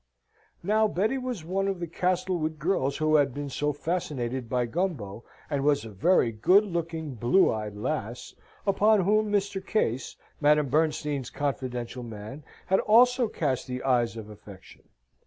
Now Betty was one of the Castlewood girls who had been so fascinated by Gumbo, and was a very good looking, blue eyed lass, upon whom Mr. Case, Madame Bernstein's confidential man, had also cast the eyes of affection.